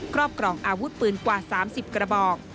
รอบครองอาวุธปืนกว่า๓๐กระบอก